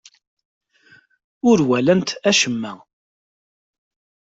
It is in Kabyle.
Ur walant acemma.